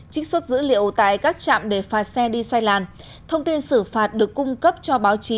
trích xuất dữ liệu tại các trạm để phạt xe đi sai làn thông tin xử phạt được cung cấp cho báo chí